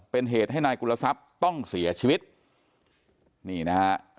เป็นเหตุให้นายกุลทรัพย์ต้องเสียชีวิตนี่นะฮะ